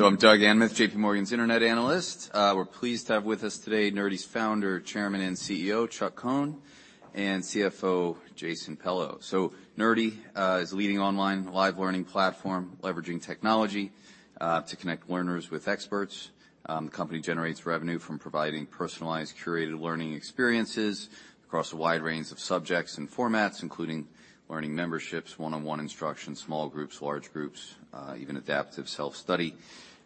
I'm Doug Anmuth, J.P. Morgan's internet analyst. We're pleased to have with us today Nerdy's Founder, Chairman, and CEO, Chuck Cohn, and CFO Jason Pello. Nerdy is a leading online live learning platform, leveraging technology to connect learners with experts. The company generates revenue from providing personalized, curated learning experiences across a wide range of subjects and formats, including Learning Memberships, one-on-one instruction, small groups, large groups, even adaptive self-study.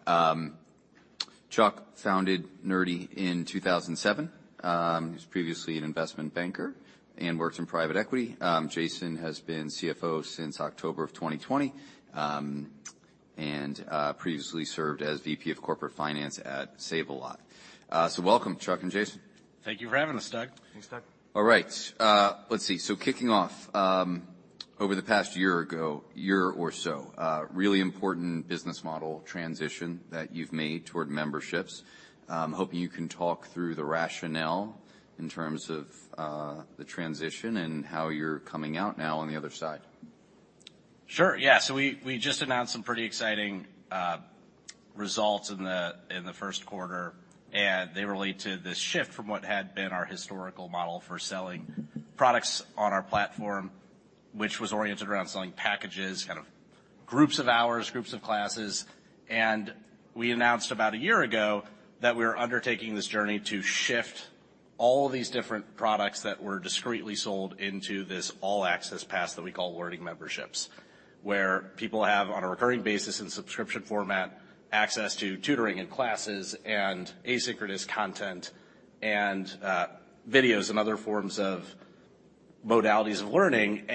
Chuck founded Nerdy in 2007. He was previously an investment banker and worked in private equity. Jason has been CFO since October of 2020, and previously served as VP of corporate finance at Save A Lot. Welcome, Chuck and Jason. Thank you for having us, Doug. Thanks, Doug. All right. let's see. Kicking off, over the past year ago, year or so, really important business model transition that you've made toward memberships. hoping you can talk through the rationale in terms of, the transition and how you're coming out now on the other side. We just announced some pretty exciting results in the first quarter, and they relate to this shift from what had been our historical model for selling products on our platform, which was oriented around selling packages, kind of groups of hours, groups of classes. We announced about a year ago that we're undertaking this journey to shift all these different products that were discreetly sold into this all-access pass that we call Learning Memberships, where people have, on a recurring basis in subscription format, access to tutoring and classes and asynchronous content and videos and other forms of modalities of learning.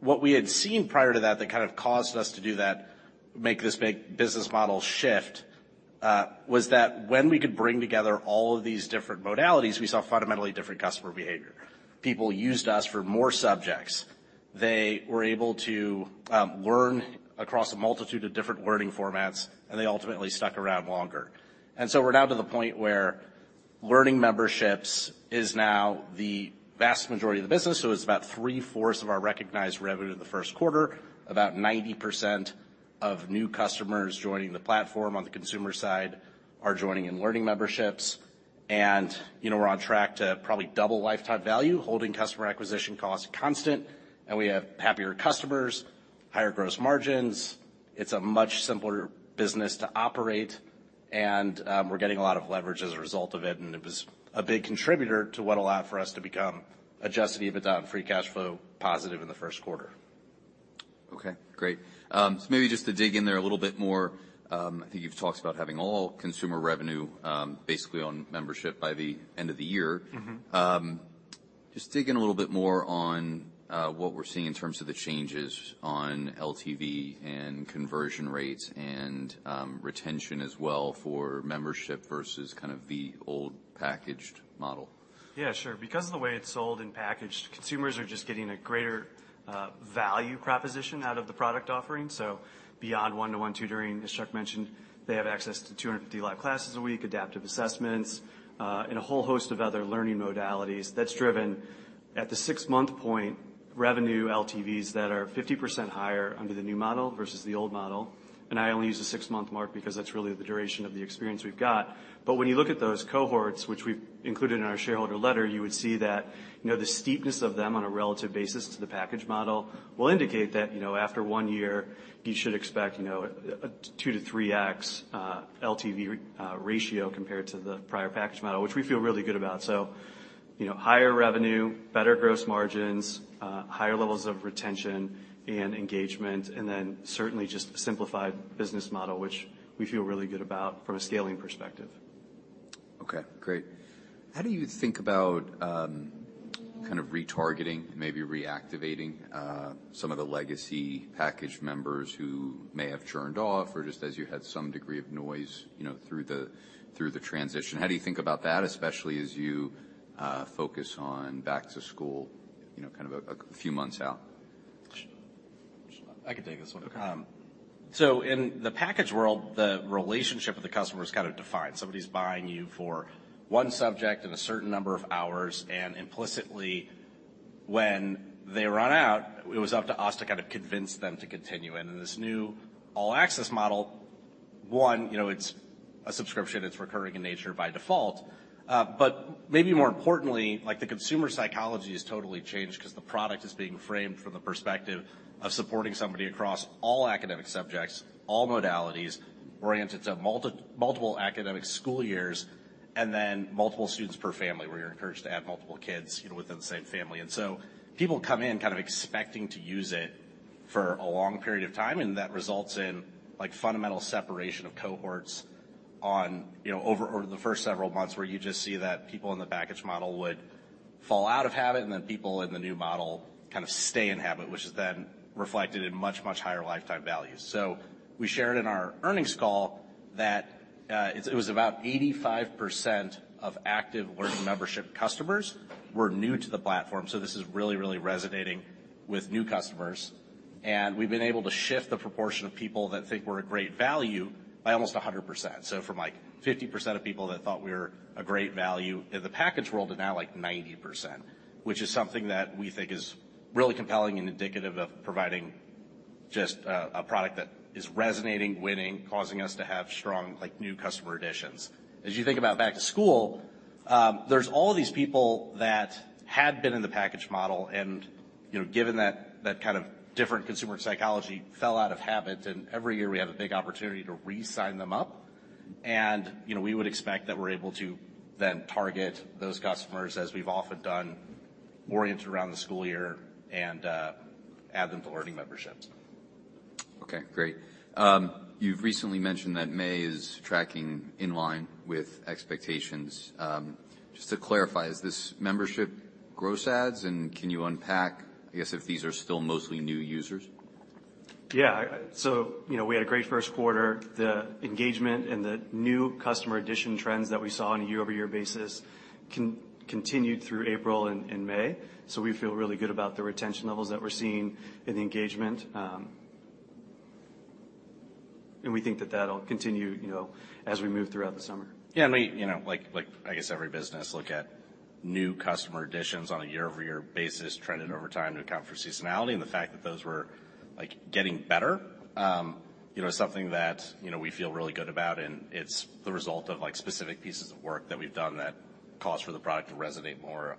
What we had seen prior to that that kind of caused us to do that, make this big business model shift, was that when we could bring together all of these different modalities, we saw fundamentally different customer behavior. People used us for more subjects. They were able to learn across a multitude of different learning formats, and they ultimately stuck around longer. We're now to the point where Learning Memberships is now the vast majority of the business, so it's about 3/4 of our recognized revenue in the first quarter. About 90% of new customers joining the platform on the consumer side are joining in Learning Memberships. You know, we're on track to probably double lifetime value, holding customer acquisition costs constant, and we have happier customers, higher gross margins. It's a much simpler business to operate, and, we're getting a lot of leverage as a result of it, and it was a big contributor to what allowed for us to become adjusted EBITDA and free cash flow positive in the first quarter. Okay, great. Maybe just to dig in there a little bit more, I think you've talked about having all consumer revenue, basically on membership by the end of the year. Mm-hmm. Just dig in a little bit more on what we're seeing in terms of the changes on LTV and conversion rates and retention as well for membership versus kind of the old packaged model. Yeah, sure. Because of the way it's sold and packaged, consumers are just getting a greater value proposition out of the product offering. Beyond one-to-one tutoring, as Chuck mentioned, they have access to 250 live classes a week, adaptive assessments, and a whole host of other learning modalities that's driven at the six-month point revenue LTVs that are 50% higher under the new model versus the old model. I only use the six-month mark because that's really the duration of the experience we've got. When you look at those cohorts, which we've included in our shareholder letter, you would see that, you know, the steepness of them on a relative basis to the package model will indicate that, you know, after 1 year, you should expect, you know, a two to 3x LTV ratio compared to the prior package model, which we feel really good about. You know, higher revenue, better gross margins, higher levels of retention and engagement, and then certainly just a simplified business model, which we feel really good about from a scaling perspective. Okay, great. How do you think about, kind of retargeting, maybe reactivating, some of the legacy package members who may have churned off or just as you had some degree of noise, you know, through the, through the transition? How do you think about that, especially as you focus on back to school, you know, kind of a few months out? I can take this one. Okay. In the package world, the relationship with the customer is kind of defined. Somebody's buying you for one subject and a certain number of hours, and implicitly, when they run out, it was up to us to kind of convince them to continue. In this new all-access model, one, you know, it's a subscription, it's recurring in nature by default. Maybe more importantly, like, the consumer psychology has totally changed 'cause the product is being framed from the perspective of supporting somebody across all academic subjects, all modalities, oriented to multi-multiple academic school years, and then multiple students per family, where you're encouraged to add multiple kids, you know, within the same family. People come in kind of expecting to use it for a long period of time. That results in, like, fundamental separation of cohorts on, you know, over the first several months, where you just see that people in the package model would fall out of habit, and then people in the new model kind of stay in habit, which is then reflected in much higher lifetime values. We shared in our earnings call that it was about 85% of active Learning Membership customers were new to the platform. This is really resonating with new customers. We've been able to shift the proportion of people that think we're a great value by almost 100%. From, like, 50% of people that thought we were a great value in the package world to now, like, 90%, which is something that we think is really compelling and indicative of Just, a product that is resonating, winning, causing us to have strong, like, new customer additions. As you think about back to school, there's all these people that had been in the package model and, you know, given that kind of different consumer psychology fell out of habit, and every year we have a big opportunity to re-sign them up. You know, we would expect that we're able to then target those customers, as we've often done, oriented around the school year and add them to Learning Memberships. Okay, great. You've recently mentioned that May is tracking in line with expectations. Just to clarify, is this Membership gross adds, and can you unpack, I guess, if these are still mostly new users? Yeah. You know, we had a great first quarter. The engagement and the new customer addition trends that we saw on a year-over-year basis continued through April and May. We feel really good about the retention levels that we're seeing and the engagement. We think that that'll continue, you know, as we move throughout the summer. We, you know, like I guess every business look at new customer additions on a year-over-year basis trended over time to account for seasonality and the fact that those were, like, getting better, you know, is something that, you know, we feel really good about, and it's the result of, like, specific pieces of work that we've done that cause for the product to resonate more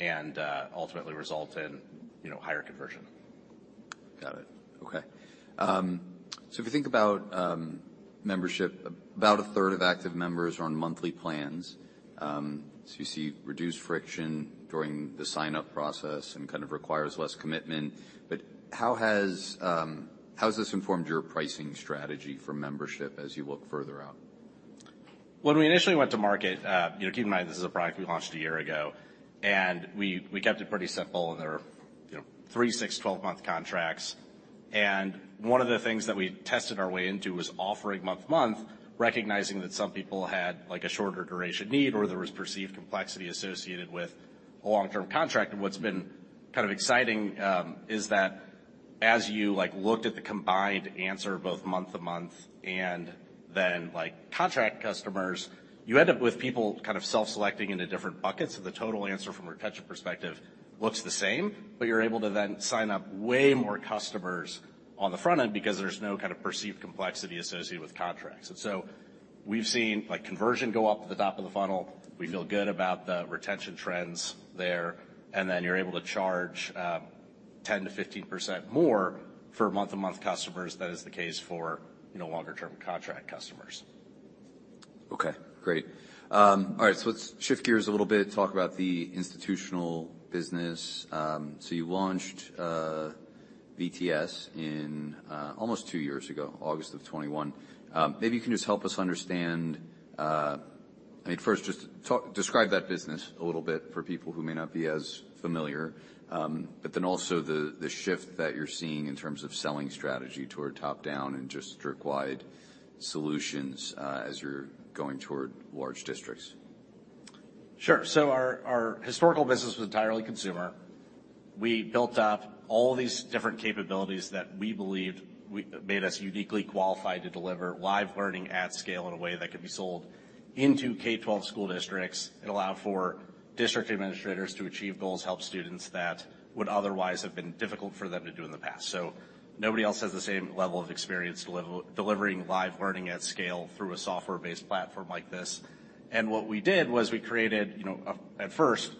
and ultimately result in, you know, higher conversion. Got it. Okay. If you think about Membership, about a third of active members are on monthly plans. You see reduced friction during the sign-up process and kind of requires less commitment. How has this informed your pricing strategy for Membership as you look further out? When we initially went to market, you know, keep in mind this is a product we launched a year ago, and we kept it pretty simple. There are, you know, three, six, 12-month contracts. One of the things that we tested our way into was offering month-to-month, recognizing that some people had, like, a shorter duration need or there was perceived complexity associated with a long-term contract. What's been kind of exciting, is that as you, like, looked at the combined answer both month-to-month and then, like, contract customers, you end up with people kind of self-selecting into different buckets. The total answer from a retention perspective looks the same, but you're able to then sign up way more customers on the front end because there's no kind of perceived complexity associated with contracts. We've seen, like, conversion go up at the top of the funnel. We feel good about the retention trends there. You're able to charge, 10% to 15% more for month-to-month customers than is the case for, you know, longer term contract customers. Okay, great. All right, let's shift gears a little bit, talk about the institutional business. You launched VTS in almost two years ago, August of 2021. Maybe you can just help us understand, I mean, first just describe that business a little bit for people who may not be as familiar. Also the shift that you're seeing in terms of selling strategy toward top-down and district-wide solutions, as you're going toward large districts. Sure. Our historical business was entirely consumer. We built up all these different capabilities that we believed made us uniquely qualified to deliver live learning at scale in a way that could be sold into K-12 school districts. It allowed for district administrators to achieve goals, help students that would otherwise have been difficult for them to do in the past. Nobody else has the same level of experience delivering live learning at scale through a software-based platform like this. What we did was we created, you know, at first,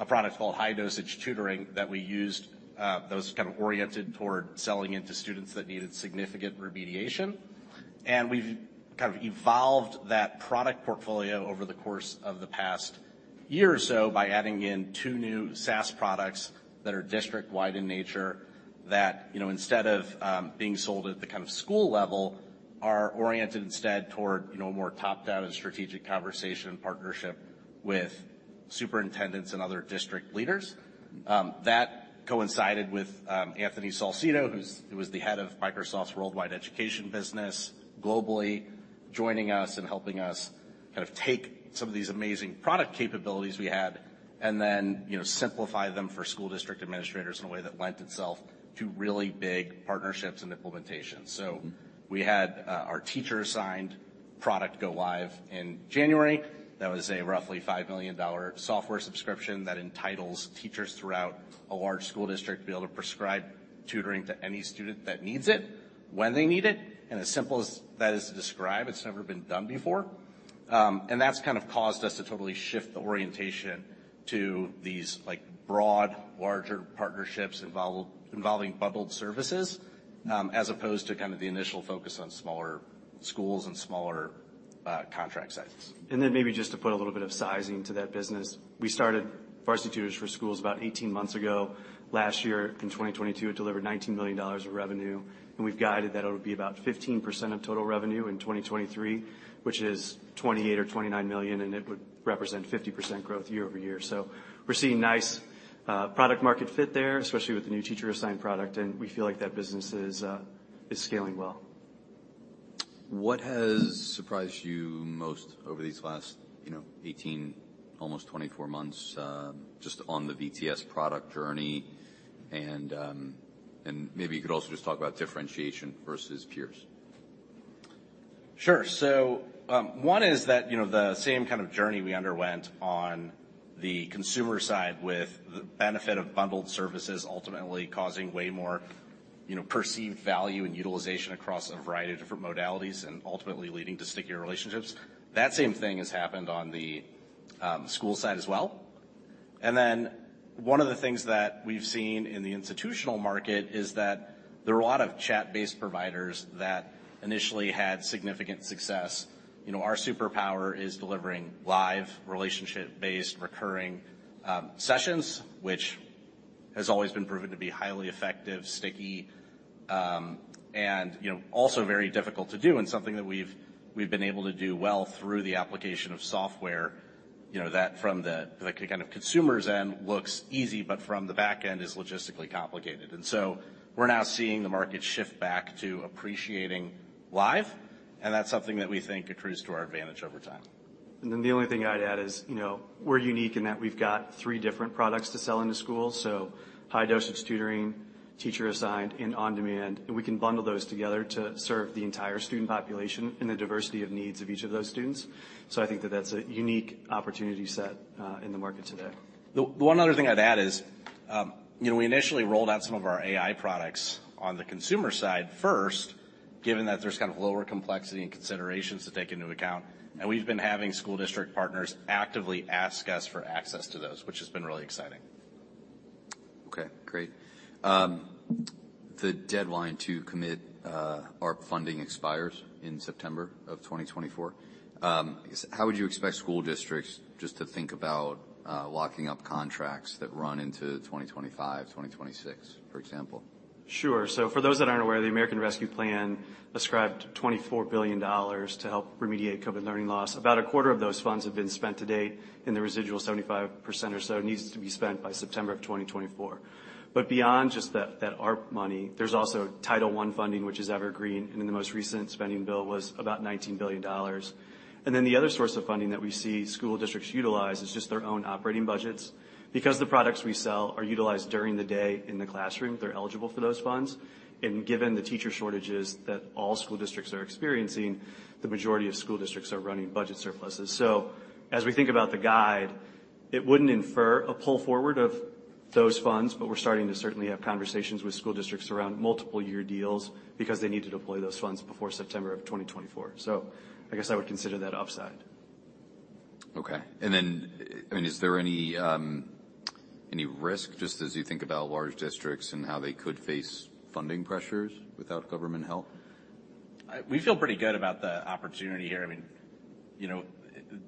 a product called High-Dosage Tutoring that we used, that was kind of oriented toward selling into students that needed significant remediation. We've kind of evolved that product portfolio over the course of the past year or so by adding in two new SaaS products that are district-wide in nature that, you know, instead of being sold at the kind of school level, are oriented instead toward, you know, a more top-down and strategic conversation and partnership with superintendents and other district leaders. That coincided with Anthony Salcito, who was the head of Microsoft's worldwide education business globally, joining us and helping us kind of take some of these amazing product capabilities we had and then, you know, simplify them for school district administrators in a way that lent itself to really big partnerships and implementation. We had our Teacher Assigned product go live in January. That was a roughly $5 million software subscription that entitles teachers throughout a large school district to be able to prescribe tutoring to any student that needs it, when they need it. As simple as that is to describe, it's never been done before. That's kind of caused us to totally shift the orientation to these, like, broad, larger partnerships involving bundled services, as opposed to kind of the initial focus on smaller schools and smaller contract sites. Maybe just to put a little bit of sizing to that business. We started Varsity Tutors for Schools about 18 months ago. Last year, in 2022, it delivered $19 million of revenue, and we've guided that it'll be about 15% of total revenue in 2023, which is $28 million or $29 million, and it would represent 50% growth year-over-year. We're seeing nice product market fit there, especially with the new Teacher Assigned product, and we feel like that business is scaling well. What has surprised you most over these last, you know, 18, almost 24 months, just on the VTS product journey? Maybe you could also just talk about differentiation versus peers? Sure. One is that, you know, the same kind of journey we underwent on the consumer side with the benefit of bundled services ultimately causing way more, you know, perceived value and utilization across a variety of different modalities and ultimately leading to stickier relationships. That same thing has happened on the school side as well. Then one of the things that we've seen in the institutional market is that there are a lot of chat-based providers that initially had significant success. You know, our superpower is delivering live, relationship-based, recurring, sessions, which has always been proven to be highly effective, sticky, and, you know, also very difficult to do, and something that we've been able to do well through the application of software, you know, that from the kind of consumer's end looks easy, but from the back end is logistically complicated. We're now seeing the market shift back to appreciating live, and that's something that we think accrues to our advantage over time. The only thing I'd add is, you know, we're unique in that we've got three different products to sell into schools, so High-Dosage Tutoring, Teacher Assigned and On Demand, and we can bundle those together to serve the entire student population and the diversity of needs of each of those students. I think that that's a unique opportunity set in the market today. The one other thing I'd add is, you know, we initially rolled out some of our AI products on the consumer side first, given that there's kind of lower complexity and considerations to take into account. We've been having school district partners actively ask us for access to those, which has been really exciting. Okay, great. The deadline to commit ARP funding expires in September of 2024. How would you expect school districts just to think about locking up contracts that run into 2025, 2026, for example? Sure. For those that aren't aware, the American Rescue Plan ascribed $24 billion to help remediate COVID learning loss. About a quarter of those funds have been spent to date. The residual 75% or so needs to be spent by September of 2024. Beyond just that ARP money, there's also Title I funding, which is evergreen, and in the most recent spending bill was about $19 billion. The other source of funding that we see school districts utilize is just their own operating budgets. Because the products we sell are utilized during the day in the classroom, they're eligible for those funds. Given the teacher shortages that all school districts are experiencing, the majority of school districts are running budget surpluses. As we think about the guide, it wouldn't infer a pull forward of those funds, but we're starting to certainly have conversations with school districts around multiple year deals because they need to deploy those funds before September of 2024. I guess I would consider that upside. Okay. I mean, is there any risk, just as you think about large districts and how they could face funding pressures without government help? We feel pretty good about the opportunity here. I mean, you know,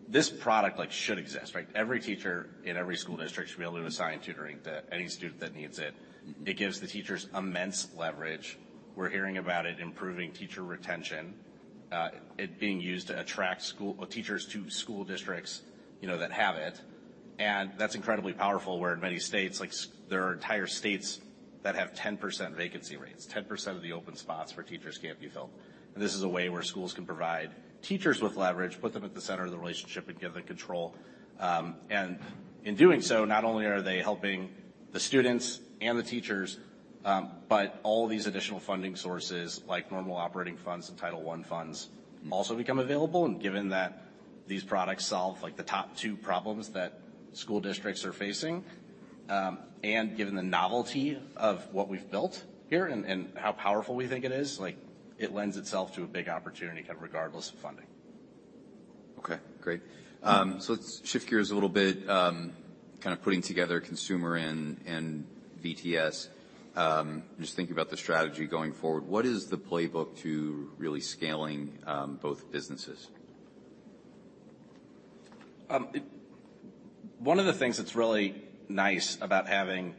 this product, like, should exist, right? Every teacher in every school district should be able to assign tutoring to any student that needs it. It gives the teachers immense leverage. We're hearing about it improving teacher retention, it being used to attract teachers to school districts, you know, that have it. That's incredibly powerful, where in many states, like there are entire states that have 10% vacancy rates. 10% of the open spots for teachers can't be filled. This is a way where schools can provide teachers with leverage, put them at the center of the relationship and give them control. In doing so, not only are they helping the students and the teachers, but all these additional funding sources, like normal operating funds and Title I funds, also become available. Given that these products solve, like, the top two problems that school districts are facing, and given the novelty of what we've built here and how powerful we think it is, like, it lends itself to a big opportunity kind of regardless of funding. Okay, great. Let's shift gears a little bit. Kind of putting together consumer and VTS, just thinking about the strategy going forward, what is the playbook to really scaling both businesses? One of the things that's really nice about having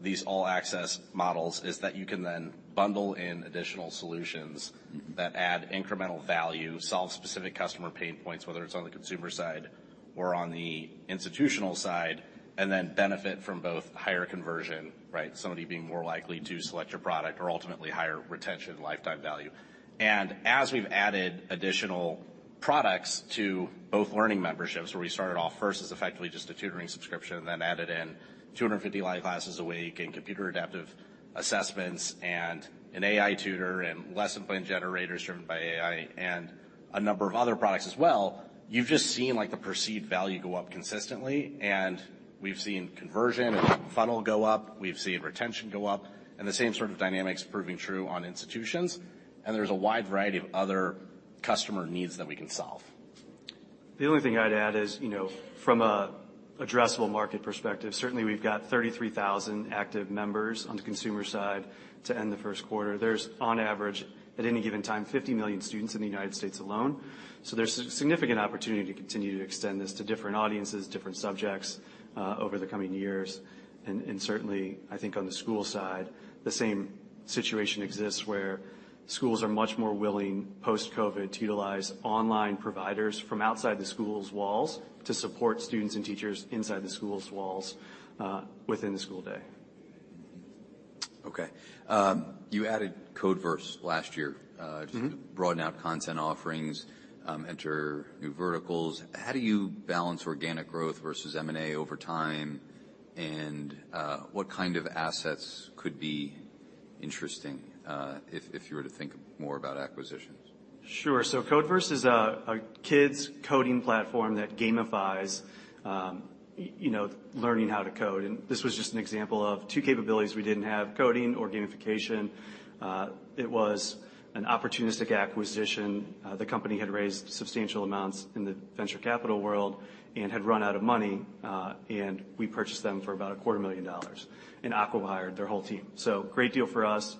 these all access models is that you can then bundle in additional solutions. Mm-hmm. That add incremental value, solve specific customer pain points, whether it's on the consumer side or on the institutional side, and then benefit from both higher conversion, right? Somebody being more likely to select your product or ultimately higher retention lifetime value. As we've added additional products to both Learning Memberships, where we started off first as effectively just a tutoring subscription, then added in 250 live classes a week and computer adaptive assessments and an AI Tutor and lesson plan generators driven by AI and a number of other products as well, you've just seen, like, the perceived value go up consistently, and we've seen conversion and funnel go up. We've seen retention go up, and the same sort of dynamics proving true on institutions. There's a wide variety of other customer needs that we can solve. The only thing I'd add is, you know, from a addressable market perspective, certainly we've got 33,000 active members on the consumer side to end the first quarter. There's on average, at any given time, 50 million students in the United States alone. There's significant opportunity to continue to extend this to different audiences, different subjects, over the coming years. Certainly, I think on the school side, the same situation exists where schools are much more willing post-COVID to utilize online providers from outside the school's walls to support students and teachers inside the school's walls, within the school day. Okay. you added Codeverse last year. Mm-hmm. To broaden out content offerings, enter new verticals. How do you balance organic growth versus M&A over time? What kind of assets could be interesting, if you were to think more about acquisitions? Sure. Codeverse is a kids coding platform that gamifies, you know, learning how to code. This was just an example of two capabilities we didn't have, coding or gamification. It was an opportunistic acquisition. The company had raised substantial amounts in the venture capital world and had run out of money, and we purchased them for about a quarter million dollars and acqui-hired their whole team. Great deal for us.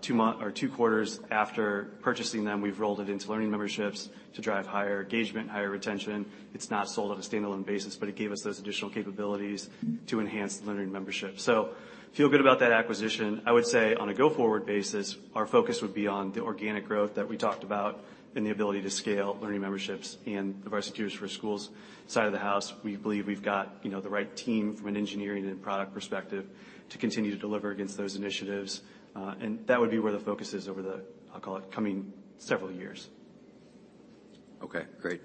Two quarters after purchasing them, we've rolled it into Learning Memberships to drive higher engagement, higher retention. It's not sold on a standalone basis, but it gave us those additional capabilities to enhance the Learning Membership. Feel good about that acquisition. I would say on a go-forward basis, our focus would be on the organic growth that we talked about and the ability to scale Learning Memberships. Of our Varsity Tutors for Schools side of the house, we believe we've got, you know, the right team from an engineering and product perspective to continue to deliver against those initiatives. That would be where the focus is over the, I'll call it, coming several years. Great.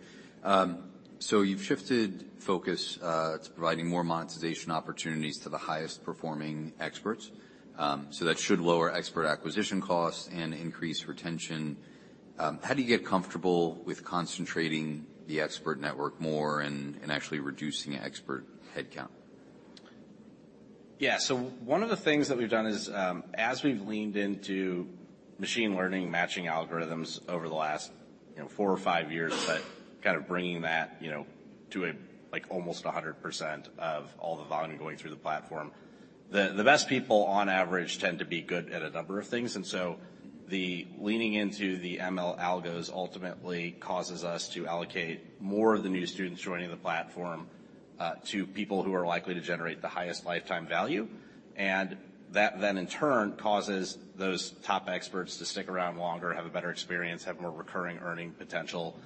You've shifted focus, to providing more monetization opportunities to the highest performing experts. That should lower expert acquisition costs and increase retention. How do you get comfortable with concentrating the expert network more and actually reducing expert headcount? One of the things that we've done is, as we've leaned into machine learning, matching algorithms over the last, you know, four or five years, kind of bringing that, you know, to a like almost 100% of all the volume going through the platform, the best people on average tend to be good at a number of things. The leaning into the ML algos ultimately causes us to allocate more of the new students joining the platform to people who are likely to generate the highest lifetime value. That in turn causes those top experts to stick around longer, have a better experience, have more recurring earning potential.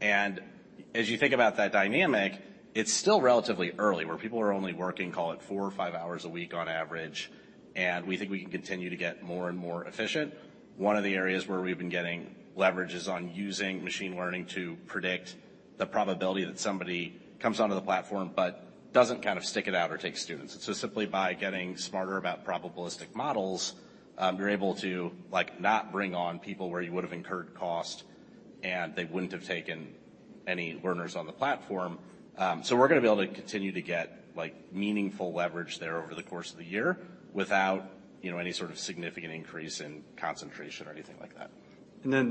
As you think about that dynamic, it's still relatively early, where people are only working, call it four, five hours a week on average, and we think we can continue to get more and more efficient. One of the areas where we've been getting leverage is on using machine learning to predict the probability that somebody comes onto the platform but doesn't kind of stick it out or take students. Simply by getting smarter about probabilistic models, you're able to, like, not bring on people where you would've incurred cost and they wouldn't have taken any learners on the platform. We're gonna be able to continue to get, like, meaningful leverage there over the course of the year without, you know, any sort of significant increase in concentration or anything like that.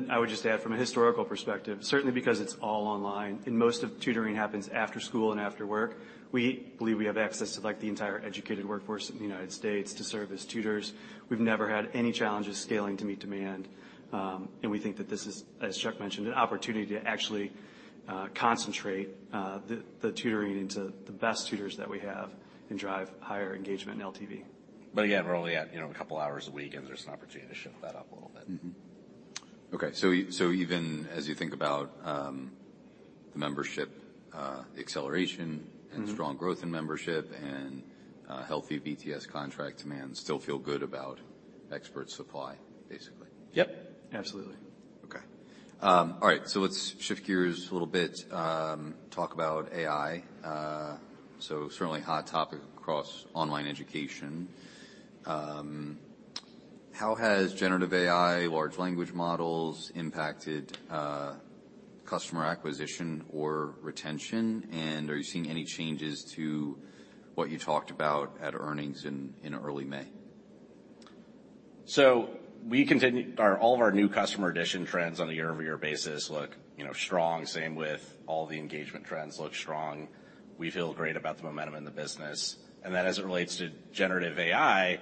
I would just add from a historical perspective, certainly because it's all online and most of tutoring happens after school and after work, we believe we have access to, like, the entire educated workforce in the United States to serve as tutors. We've never had any challenges scaling to meet demand. We think that this is, as Chuck mentioned, an opportunity to actually concentrate the tutoring into the best tutors that we have and drive higher engagement in LTV. Again, we're only at, you know, a couple hours a week, and there's an opportunity to shift that up a little bit. Okay. even as you think about, the membership, acceleration... Mm-hmm. Strong growth in membership and healthy BTS contract demand, still feel good about expert supply, basically? Yep. Absolutely. Okay. All right, let's shift gears a little bit, talk about AI. Certainly hot topic across online education. How has generative AI, large language models impacted customer acquisition or retention? Are you seeing any changes to what you talked about at earnings in early May? All of our new customer addition trends on a year-over-year basis look, you know, strong, same with all the engagement trends look strong. We feel great about the momentum in the business. As it relates to generative AI,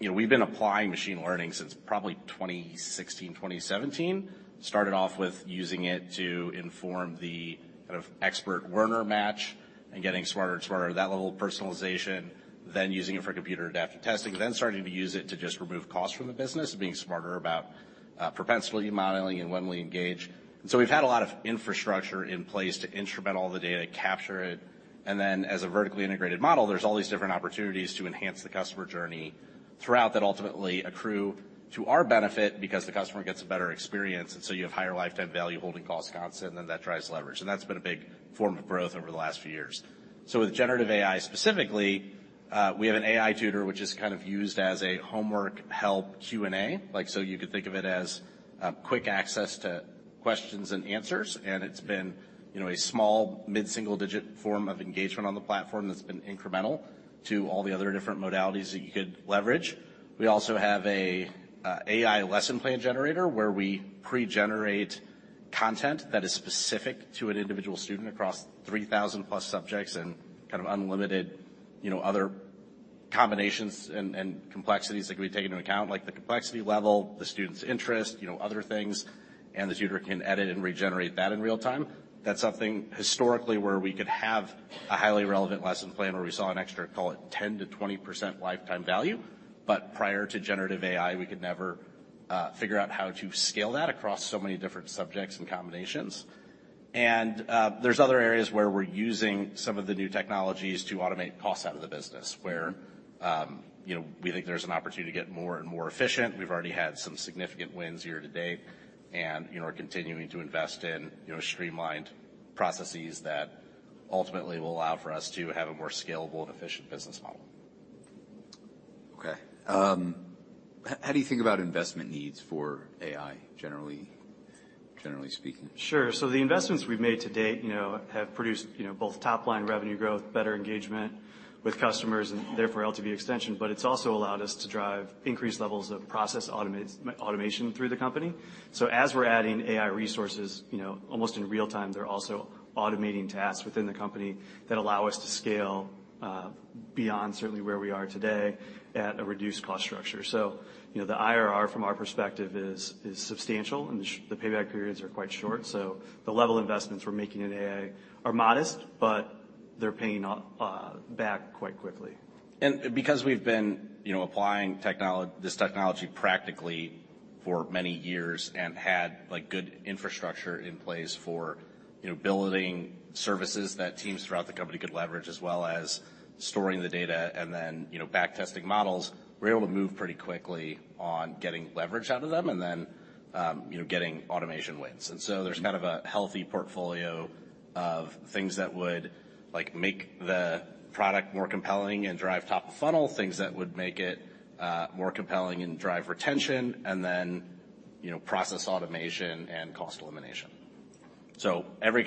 you know, we've been applying machine learning since probably 2016, 2017. Started off with using it to inform the kind of expert learner match and getting smarter and smarter at that level of personalization. Using it for computer adaptive testing. Starting to use it to just remove costs from the business, being smarter about propensity modeling and when we engage. We've had a lot of infrastructure in place to instrument all the data, capture it, and then as a vertically integrated model, there's all these different opportunities to enhance the customer journey throughout that ultimately accrue to our benefit because the customer gets a better experience, and so you have higher lifetime value, holding costs constant, then that drives leverage. That's been a big form of growth over the last few years. With generative AI specifically, we have an AI Tutor, which is kind of used as a homework help Q&A. Like, so you could think of it as quick access to questions and answers, and it's been, you know, a small mid-single digit form of engagement on the platform that's been incremental to all the other different modalities that you could leverage. We also have an AI Lesson Plan Generator where we pre-generate content that is specific to an individual student across 3,000+ subjects and kind of unlimited, you know, other combinations and complexities that can be taken into account, like the complexity level, the student's interest, you know, other things, and the tutor can edit and regenerate that in real time. That's something historically where we could have a highly relevant lesson plan where we saw an extra, call it 10%-20% lifetime value, but prior to generative AI, we could never figure how to scale that across so many different subjects and combinations. There's other areas where we're using some of the new technologies to automate costs out of the business where, you know, we think there's an opportunity to get more and more efficient. We've already had some significant wins year to date and, you know, are continuing to invest in, you know, streamlined processes that ultimately will allow for us to have a more scalable and efficient business model. Okay. How do you think about investment needs for AI generally speaking? Sure. The investments we've made to date, you know, have produced, you know, both top line revenue growth, better engagement with customers and therefore LTV extension, but it's also allowed us to drive increased levels of process automation through the company. As we're adding AI resources, you know, almost in real time, they're also automating tasks within the company that allow us to scale beyond certainly where we are today at a reduced cost structure. The IRR from our perspective is substantial, and the payback periods are quite short. The level investments we're making in AI are modest, but they're paying back quite quickly. Because we've been, you know, applying this technology practically for many years and had, like, good infrastructure in place for, you know, building services that teams throughout the company could leverage, as well as storing the data and then, you know, back testing models, we're able to move pretty quickly on getting leverage out of them and then, you know, getting automation wins. There's kind of a healthy portfolio of things that would, like, make the product more compelling and drive top of funnel, things that would make it more compelling and drive retention, and then, you know, process automation and cost elimination. Every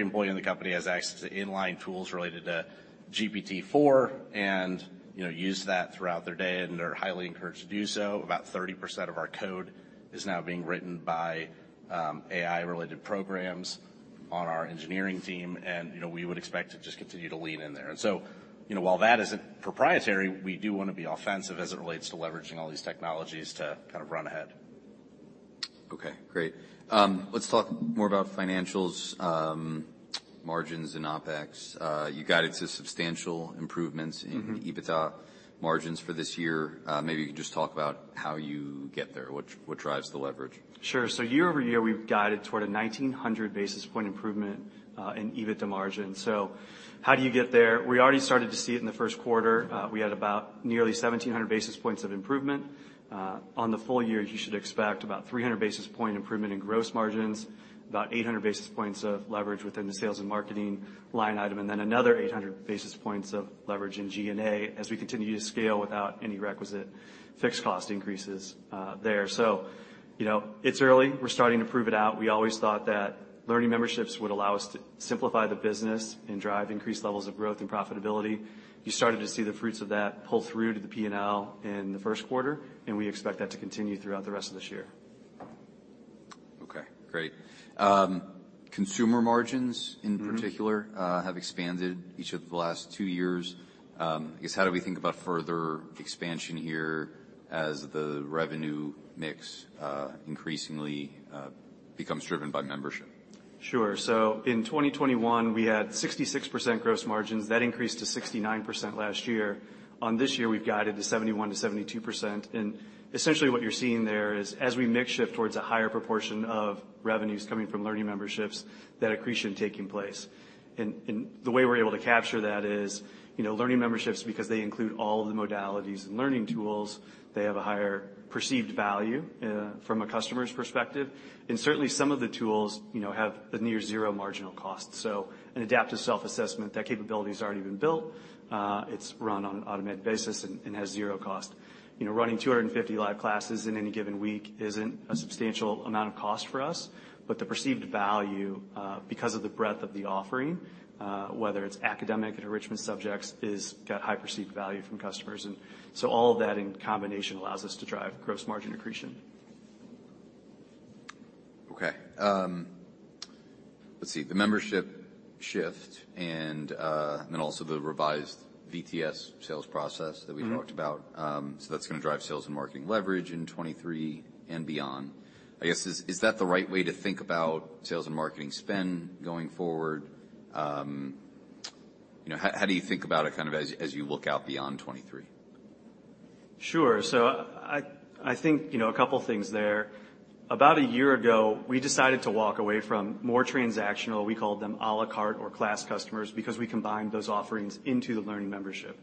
employee in the company has access to inline tools related to GPT-4 and, you know, use that throughout their day, and they're highly encouraged to do so. About 30% of our code is now being written by AI-related programs on our engineering team. We would expect to just continue to lean in there. While that isn't proprietary, we do wanna be offensive as it relates to leveraging all these technologies to kind of run ahead. Okay, great. Let's talk more about financials, margins and OpEx. You guided to substantial improvements. Mm-hmm. In EBITDA margins for this year. Maybe you could just talk about how you get there. What drives the leverage? Sure. Year-over-year, we've guided toward a 1,900 basis point improvement in EBITDA margins. How do you get there? We already started to see it in the first quarter. We had about nearly 1,700 basis points of improvement. On the full year, you should expect about 300 basis point improvement in gross margins, about 800 basis points of leverage within the sales and marketing line item, another 800 basis points of leverage in G&A as we continue to scale without any requisite fixed cost increases there. You know, it's early. We're starting to prove it out. We always thought that Learning Memberships would allow us to simplify the business and drive increased levels of growth and profitability. You started to see the fruits of that pull through to the P&L in the first quarter. We expect that to continue throughout the rest of this year. Okay, great. consumer margins-. Mm-hmm. In particular, have expanded each of the last two years. I guess, how do we think about further expansion here as the revenue mix, increasingly, becomes driven by membership? Sure. In 2021, we had 66% gross margins. That increased to 69% last year. This year, we've guided to 71%-72%. Essentially what you're seeing there is as we mix shift towards a higher proportion of revenues coming from Learning Memberships, that accretion taking place. The way we're able to capture that is, you know, Learning Memberships, because they include all the modalities and learning tools, they have a higher perceived value from a customer's perspective. Certainly, some of the tools, you know, have a near zero marginal cost. An adaptive self-assessment, that capability's already been built. It's run on an automated basis and has zero cost. You know, running 250 live classes in any given week isn't a substantial amount of cost for us, but the perceived value, because of the breadth of the offering, whether it's academic and enrichment subjects, is got high perceived value from customers. All of that in combination allows us to drive gross margin accretion. Okay. Let's see. The membership shift and then also the revised VTS sales process that we talked about. Mm-hmm. That's gonna drive sales and marketing leverage in 2023 and beyond. I guess, is that the right way to think about sales and marketing spend going forward? You know, how do you think about it kind of as you look out beyond 2023? Sure. I think, you know, a couple things there. About a year ago, we decided to walk away from more transactional, we called them à la carte or class customers, because we combined those offerings into the Learning Membership.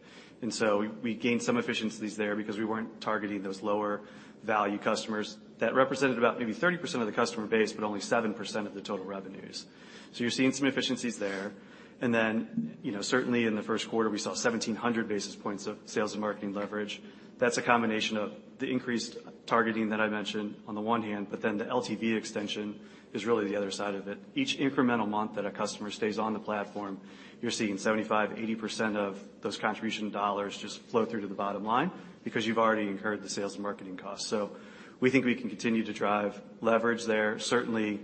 We gained some efficiencies there because we weren't targeting those lower value customers. That represented about maybe 30% of the customer base, but only 7% of the total revenues. You're seeing some efficiencies there. Then, you know, certainly in the first quarter, we saw 1,700 basis points of sales and marketing leverage. That's a combination of the increased targeting that I mentioned on the one hand, but then the LTV extension is really the other side of it. Each incremental month that a customer stays on the platform, you're seeing 75%-80% of those contribution $ just flow through to the bottom line because you've already incurred the sales and marketing costs. We think we can continue to drive leverage there. Certainly,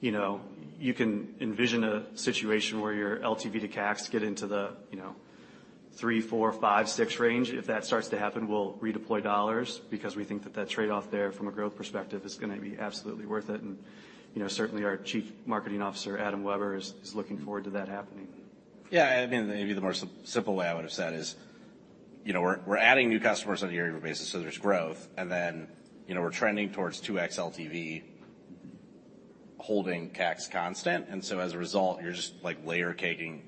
you know, you can envision a situation where your LTV to CACs get into the, you know, three, four, five, six range. If that starts to happen, we'll redeploy $ because we think that that trade-off there from a growth perspective is gonna be absolutely worth it. You know, certainly our Chief Marketing Officer, Adam Weber, is looking forward to that happening. Yeah. I mean, maybe the more simple way I would've said is, you know, we're adding new customers on a year-over-year basis, so there's growth. You know, we're trending towards 2x LTV holding CACs constant. As a result, you're just, like, layer caking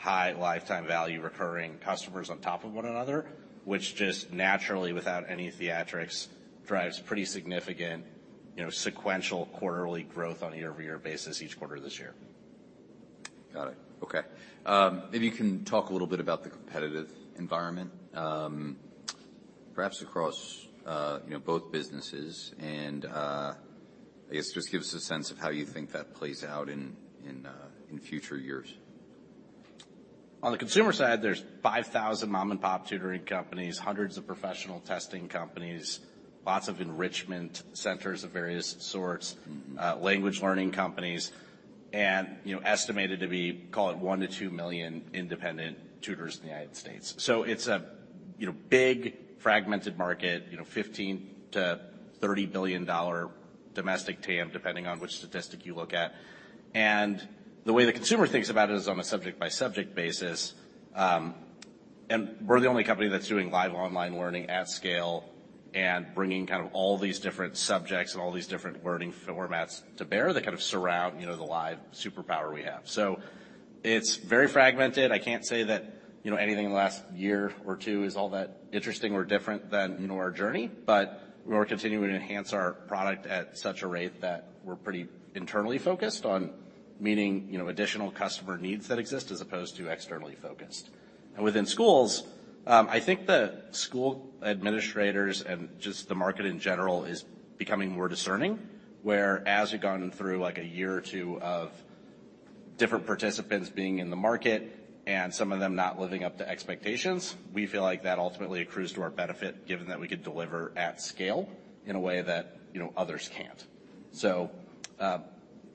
high lifetime value recurring customers on top of one another, which just naturally, without any theatrics, drives pretty significant, you know, sequential quarterly growth on a year-over-year basis each quarter this year. Got it. Okay. Maybe you can talk a little bit about the competitive environment, perhaps across, you know, both businesses and, I guess just give us a sense of how you think that plays out in future years. On the consumer side, there's 5,000 mom-and-pop tutoring companies, hundreds of professional testing companies, lots of enrichment centers of various sorts. Mm-hmm. Language learning companies, you know, estimated to be, call it one million to two million independent tutors in the United States. It's a, you know, big fragmented market, you know, $15 billion-$30 billion domestic TAM, depending on which statistic you look at. The way the consumer thinks about it is on a subject-by-subject basis. And we're the only company that's doing live online learning at scale and bringing kind of all these different subjects and all these different learning formats to bear that kind of surround, you know, the live superpower we have. It's very fragmented. I can't say that, you know, anything in the last one or two years is all that interesting or different than, you know, our journey. We're continuing to enhance our product at such a rate that we're pretty internally focused on meeting, you know, additional customer needs that exist as opposed to externally focused. Within schools, I think the school administrators and just the market in general is becoming more discerning. Where as we've gone through like a year or two of different participants being in the market and some of them not living up to expectations, we feel like that ultimately accrues to our benefit, given that we could deliver at scale in a way that, you know, others can't.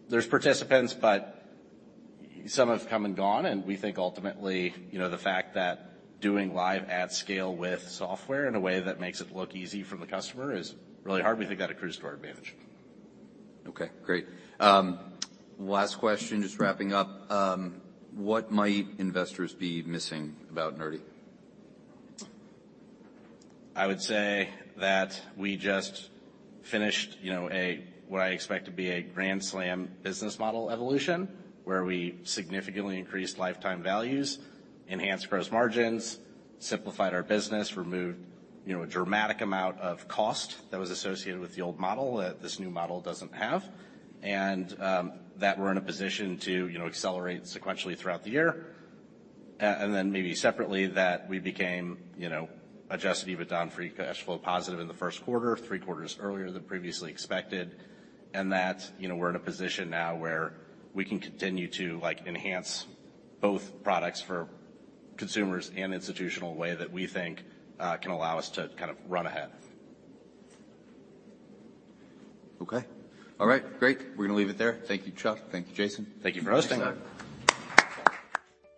There's participants, but some have come and gone, and we think ultimately, you know, the fact that doing live at scale with software in a way that makes it look easy for the customer is really hard. We think that accrues to our advantage. Okay, great. Last question, just wrapping up, what might investors be missing about Nerdy? I would say that we just finished, you know, a, what I expect to be a grand slam business model evolution, where we significantly increased lifetime values, enhanced gross margins, simplified our business, removed, you know, a dramatic amount of cost that was associated with the old model that this new model doesn't have, and that we're in a position to, you know, accelerate sequentially throughout the year. Maybe separately, that we became, you know, adjusted EBITDA and free cash flow positive in the first quarter, three quarters earlier than previously expected, and that, you know, we're in a position now where we can continue to, like, enhance both products for consumers and institutional way that we think, can allow us to kind of run ahead. Okay. All right, great. We're gonna leave it there. Thank you, Chuck. Thank you, Jason. Thank you for hosting. Thanks, guys.